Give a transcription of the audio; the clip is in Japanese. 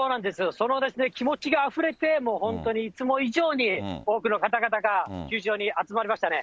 その気持ちがあふれて、もう本当にいつも以上に、多くの方々が、球場に集まりましたね。